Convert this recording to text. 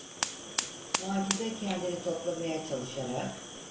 Macide kendini toplamaya çalışarak: